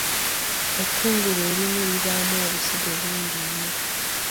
Ettungulu erimu libaamu obusigo bungi nnyo.